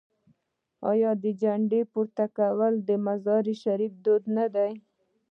آیا د جنډې پورته کول د مزار شریف دود نه دی؟